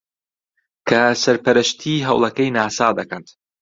کە سەرپەرشتیی ھەوڵەکەی ناسا دەکات